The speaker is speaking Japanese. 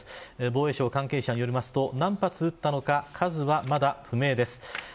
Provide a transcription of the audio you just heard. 防衛省関係者によりますと何発撃ったのか数はまだ不明です。